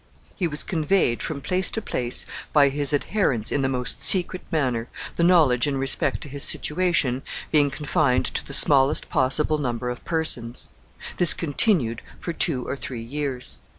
He was conveyed from place to place by his adherents in the most secret manner, the knowledge in respect to his situation being confined to the smallest possible number of persons. This continued for two or three years.